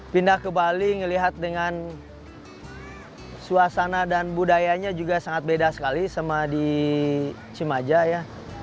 pindah ke bali ngelihat dengan suasana dan budayanya juga sangat beda sekali sama di cimaja ya